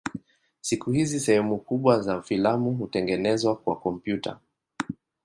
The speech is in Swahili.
Siku hizi sehemu kubwa za filamu hutengenezwa kwa kompyuta.